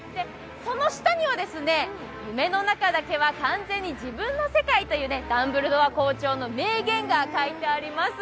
その下には「夢の中だけでは完全に自分の世界」というダンブルドア校長の名言が書いてあります。